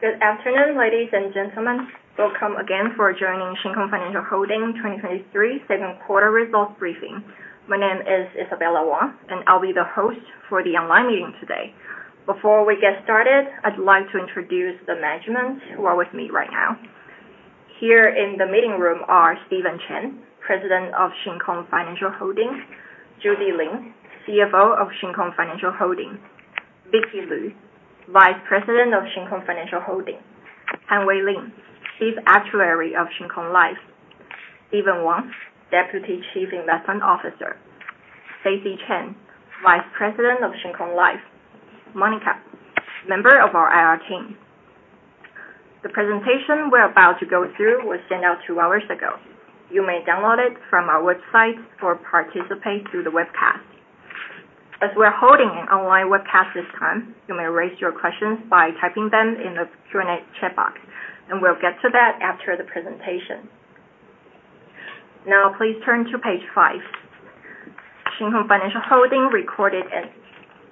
Good afternoon, ladies and gentlemen. Welcome again for joining Shin Kong Financial Holding 2023 second quarter results briefing. My name is Isabella Wang, and I'll be the host for the online meeting today. Before we get started, I'd like to introduce the management who are with me right now. Here in the meeting room are Stephen Chen, President of Shin Kong Financial Holding, Judy Lin, CFO of Shin Kong Financial Holding, Vicky Lu, Vice President of Shin Kong Financial Holding, Henry Lin, Chief Actuary of Shin Kong Life, Steven Wang, Deputy Chief Investment Officer, Stacey Chen, Vice President of Shin Kong Life, Monica, member of our IR team. The presentation we're about to go through was sent out 2 hours ago. You may download it from our website or participate through the webcast. As we're holding an online webcast this time, you may raise your questions by typing them in the Q&A chat box, and we'll get to that after the presentation. Now, please turn to page five. Shin Kong Financial Holding recorded a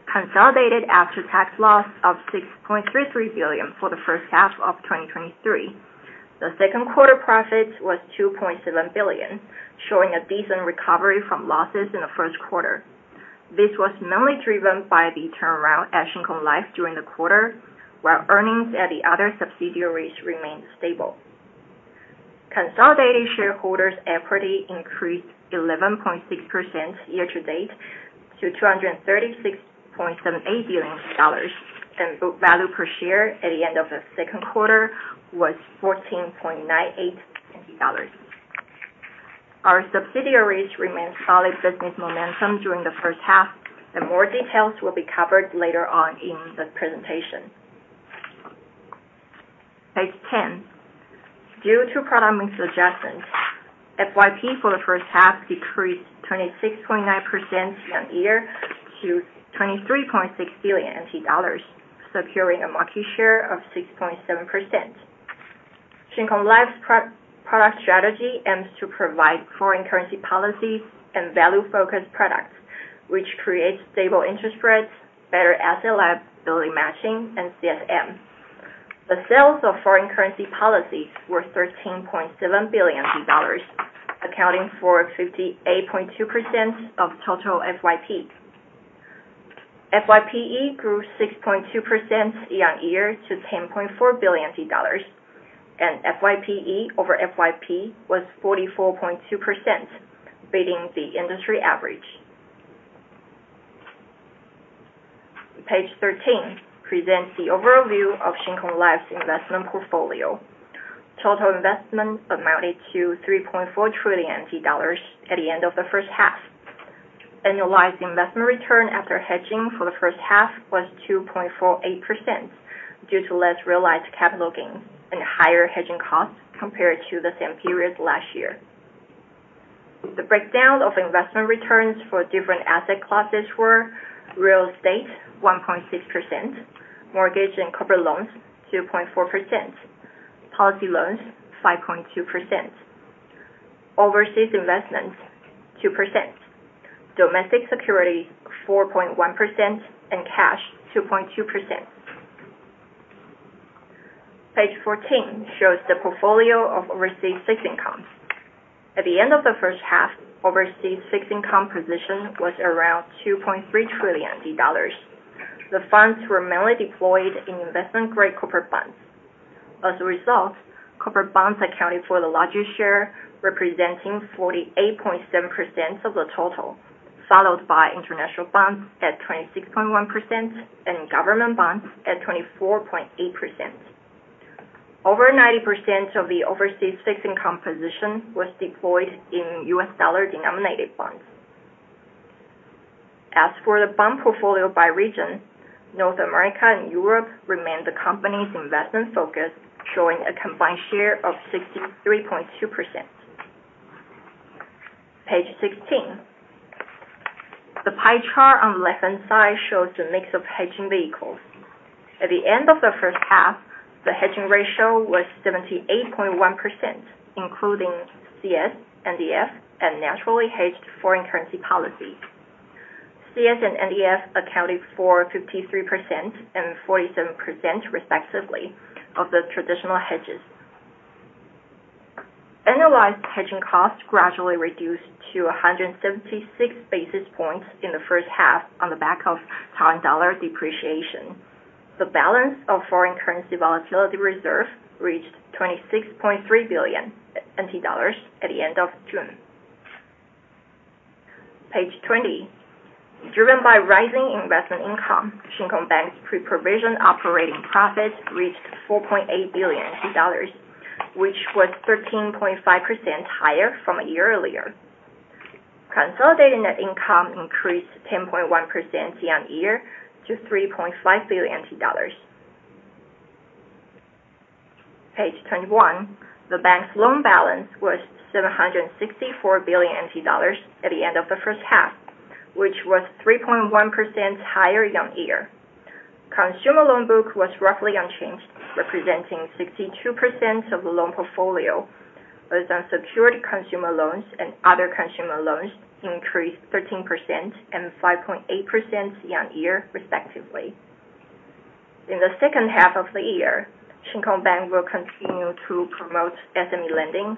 consolidated after-tax loss of 6.33 billion for the first half of 2023. The second quarter profit was 2.7 billion, showing a decent recovery from losses in the first quarter. This was mainly driven by the turnaround at Shin Kong Life during the quarter, while earnings at the other subsidiaries remained stable. Consolidated shareholders' equity increased 11.6% year to date, to 236.78 billion dollars, and book value per share at the end of the second quarter was 14.98 dollars. Our subsidiaries remained solid business momentum during the first half, and more details will be covered later on in the presentation. Page ten. Due to product mix adjustments, FYP for the first half decreased 26.9% year-on-year to 23.6 billion NT dollars, securing a market share of 6.7%. Shin Kong Life's pro- product strategy aims to provide foreign currency policies and value-focused products, which creates stable interest rates, better asset liability matching, and CSM. The sales of foreign currency policies were TWD 13.7 billion, accounting for 58.2% of total FYP. FYPE grew 6.2% year-on-year to TWD 10.4 billion, and FYPE over FYP was 44.2%, beating the industry average. Page thirteen presents the overview of Shin Kong Life's investment portfolio. Total investment amounted to 3.4 trillion dollars at the end of the first half. Annualized investment return after hedging for the first half was 2.48% due to less realized capital gains and higher hedging costs compared to the same period last year. The breakdown of investment returns for different asset classes were real estate, 1.6%, mortgage and corporate loans, 2.4%, policy loans, 5.2%, overseas investments, 2%, domestic securities, 4.1%, and cash, 2.2%. Page 14 shows the portfolio of overseas fixed income. At the end of the first half, overseas fixed income position was around 2.3 trillion dollars. The funds were mainly deployed in investment-grade corporate bonds. As a result, corporate bonds accounted for the largest share, representing 48.7% of the total, followed by international bonds at 26.1% and government bonds at 24.8%. Over 90% of the overseas fixed income position was deployed in U.S. dollar-denominated bonds. As for the bond portfolio by region, North America and Europe remained the company's investment focus, showing a combined share of 63.2%. Page 16. The pie chart on the left-hand side shows the mix of hedging vehicles. At the end of the first half, the hedging ratio was 78.1%, including CS, NDF, and naturally hedged foreign currency policy. CS and NDF accounted for 53% and 47%, respectively, of the traditional hedges. Annualized hedging costs gradually reduced to 176 basis points in the first half on the back of Taiwan dollar depreciation. The balance of foreign currency volatility reserve reached 26.3 billion NT dollars at the end of June. Page 20. Driven by rising investment income, Shin Kong Bank's pre-provision operating profit reached 4.8 billion dollars, which was 13.5% higher from a year earlier. Consolidated net income increased 10.1% year-on-year to TWD 3.5 billion. Page 21. The bank's loan balance was 764 billion NT dollars at the end of the first half, which was 3.1% higher year-on-year. Consumer loan book was roughly unchanged, representing 62% of the loan portfolio, was unsecured consumer loans and other consumer loans increased 13% and 5.8% year-on-year, respectively. In the second half of the year, Shin Kong Bank will continue to promote SME lending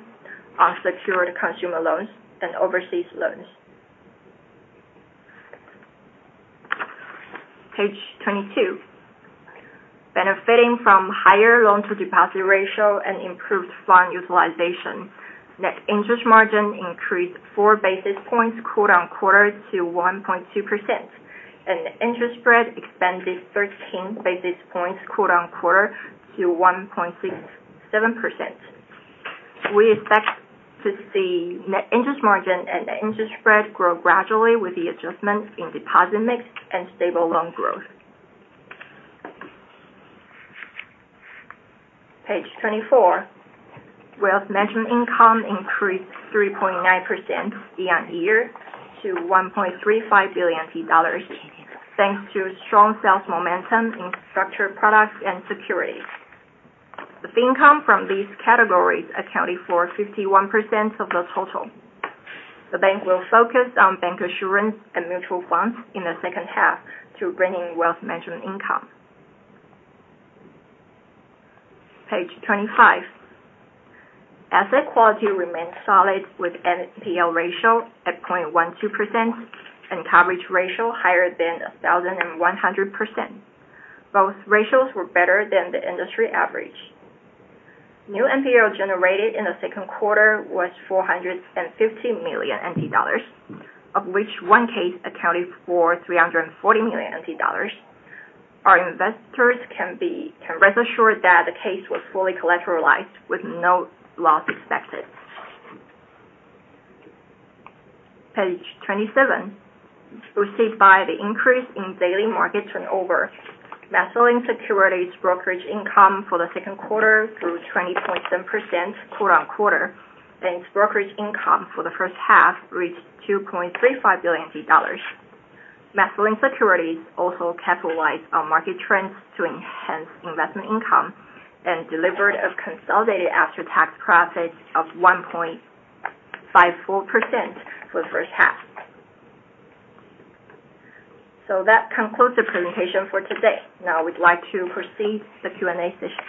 unsecured consumer loans and overseas loans. Page 22. Benefiting from higher loan to deposit ratio and improved fund utilization, net interest margin increased 4 basis points quarter-on-quarter to 1.2%, and the interest spread expanded 13 basis points quarter-on-quarter to 1.67%. We expect to see net interest margin and interest spread grow gradually with the adjustment in deposit mix and stable loan growth. Page 24. Wealth management income increased 3.9% year-on-year to 1.35 billion dollars, thanks to strong sales momentum in structured products and securities. The fee income from these categories accounted for 51% of the total. The bank will focus on bancassurance and mutual funds in the second half to bring in wealth management income. Page 25. Asset quality remained solid, with NPL ratio at 0.12% and coverage ratio higher than 1,100%. Both ratios were better than the industry average. New NPL generated in the second quarter was 450 million NT dollars, of which one case accounted for 340 million NT dollars. Our investors can rest assured that the case was fully collateralized with no loss expected. Page 27. Benefited from the increase in daily market turnover, MasterLink Securities brokerage income for the second quarter grew 20.7% quarter-on-quarter, and its brokerage income for the first half reached 2.35 billion dollars. MasterLink Securities also capitalized on market trends to enhance investment income and delivered a consolidated after-tax profit of 1.54% for the first half. So that concludes the presentation for today. Now we'd like to proceed the Q&A session.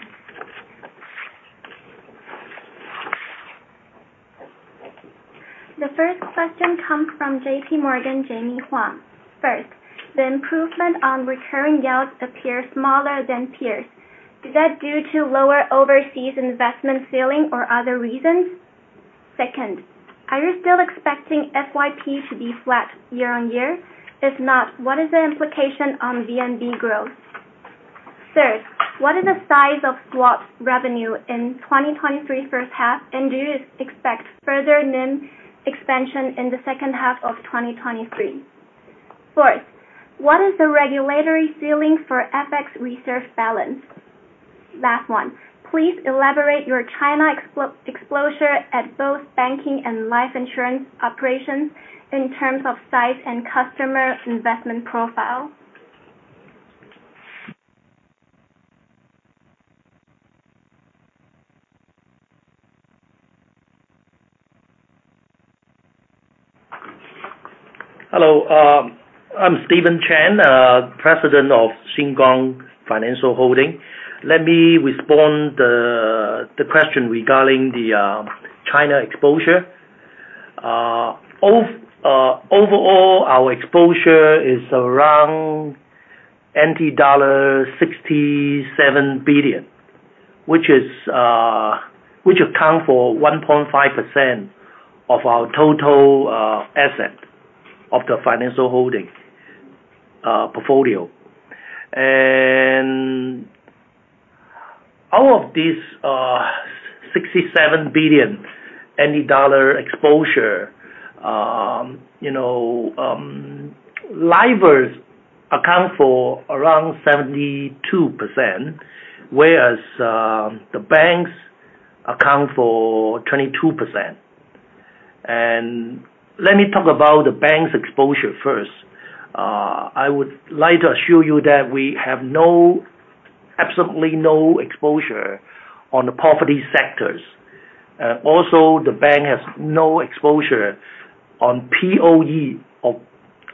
The first question comes from J.P. Morgan, Jemmy Huang. First, the improvement on recurring yield appears smaller than peers. Is that due to lower overseas investment ceiling or other reasons? Second, are you still expecting FYP to be flat year-on-year? If not, what is the implication on VNB growth? Third, what is the size of swap revenue in 2023 first half, and do you expect further NIM expansion in the second half of 2023? Fourth, what is the regulatory ceiling for FX reserve balance? Last one, please elaborate your China exposure at both banking and life insurance operations in terms of size and customer investment profile. Hello, I'm Stephen Chen, President of Shin Kong Financial Holding. Let me respond the question regarding the China exposure. Overall, our exposure is around NT dollar 67 billion, which is, which account for 1.5% of our total asset of the financial holding portfolio. And out of this 67 billion exposure, you know, life accounts for around 72%, whereas the bank accounts for 22%. And let me talk about the bank's exposure first. I would like to assure you that we have no, absolutely no exposure on the property sectors. Also, the bank has no exposure on POE or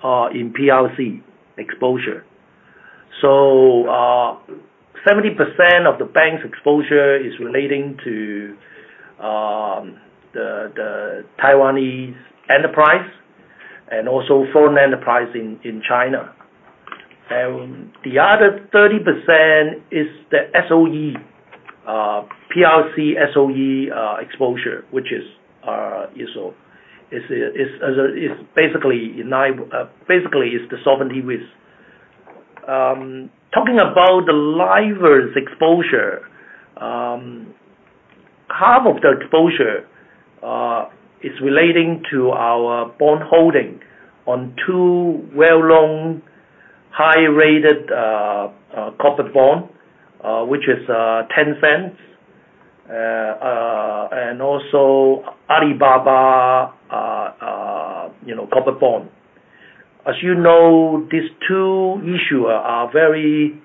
PLC exposure. So, 70% of the bank's exposure is relating to the Taiwanese enterprise and also foreign enterprise in China. The other 30% is the SOE, PLC-SOE exposure, which is basically the sovereignty risk. Talking about the China exposure, half of the exposure is relating to our bond holding on two well-known, high-rated corporate bonds, which is Tencent and also Alibaba, you know, corporate bond. As you know, these two issuers are very,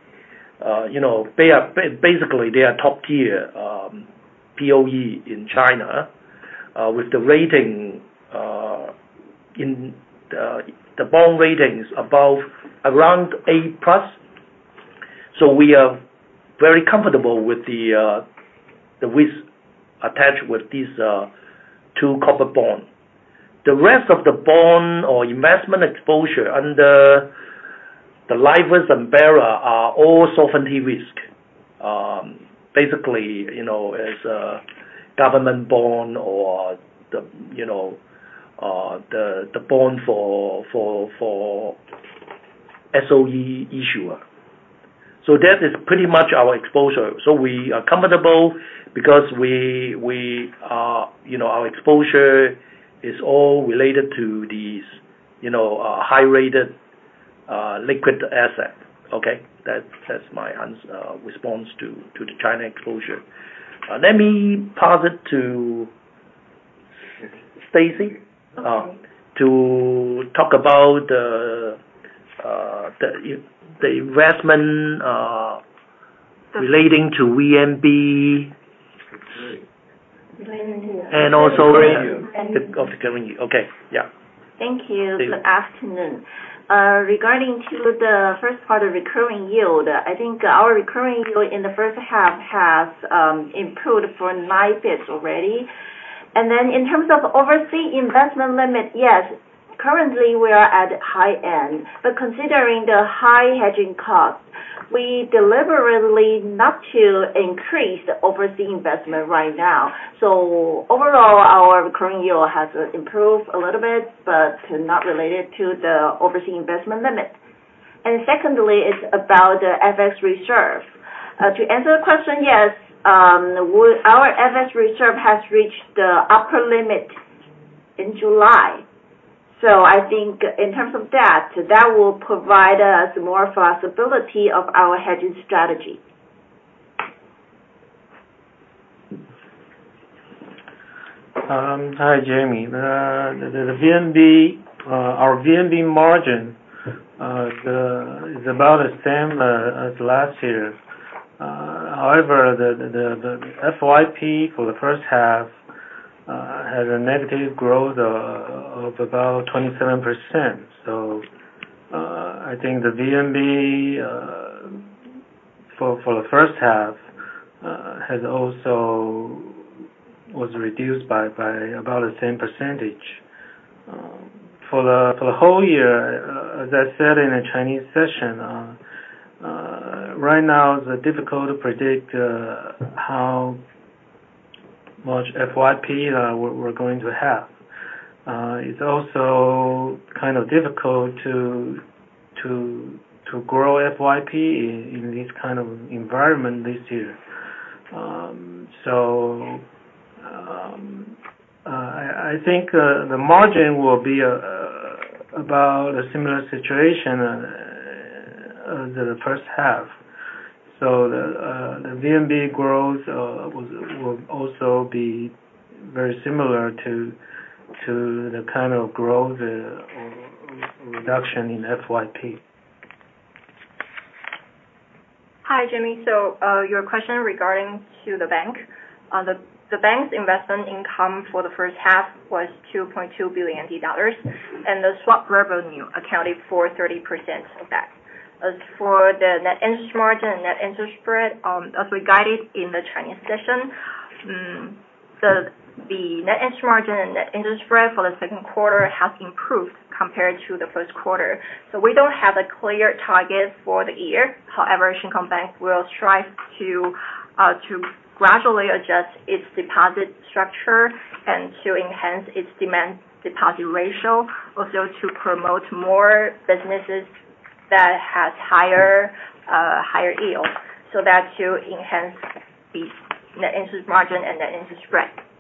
you know, they are basically top tier POE in China, with the rating, the bond ratings above around A+. So we are very comfortable with the risk attached with these two corporate bonds. The rest of the bond or investment exposure under the China and bearer are all sovereignty risk. Basically, you know, as a government bond or the bond for SOE issuer. So that is pretty much our exposure. So we are comfortable because our exposure is all related to these high-rated liquid asset. Okay? That's my response to the China exposure. Let me pass it to Stacey to talk about the investment relating to VNB. And also—of the recurring. Okay. Yeah. Thank you. Good afternoon. Regarding to the first part of recurring yield, I think our recurring yield in the first half has improved for nine basis points already. And then in terms of overseas investment limit, yes, currently we are at high end. But considering the high hedging cost, we deliberately not to increase the overseas investment right now. So overall, our recurring yield has improved a little bit, but not related to the overseas investment limit. And secondly, it's about the FX reserve. To answer the question, yes, we, our FX reserve has reached the upper limit in July. So I think in terms of that, that will provide us more flexibility of our hedging strategy. Hi, Jaime. The VNB, our VNB margin, is about the same as last year. However, the FYP for the first half has a negative growth of about 27%. So, I think the VNB for the first half has also—was reduced by about the same percentage. For the whole year, as I said in a Chinese session, right now, it's difficult to predict how much FYP we're going to have. It's also kind of difficult to grow FYP in this kind of environment this year. So, I think the margin will be about a similar situation as the first half. The VNB growth will also be very similar to the kind of growth or reduction in FYP. Hi, Jemmy. So, your question regarding to the bank. The bank's investment income for the first half was 2.2 billion dollars, and the swap revenue accounted for 30% of that. As for the net interest margin and net interest spread, as we guided in the Chinese session, the net interest margin and net interest spread for the second quarter has improved compared to the first quarter. So we don't have a clear target for the year. However, Shin Kong Bank will strive to gradually adjust its deposit structure and to enhance its demand deposit ratio, also to promote more businesses that has higher yield, so that to enhance the net interest margin and net interest spread.